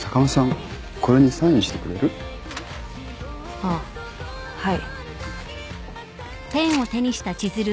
あっはい。